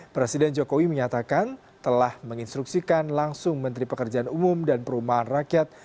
presiden jokowi menyatakan telah menginstruksikan langsung menteri pekerjaan umum dan perumahan rakyat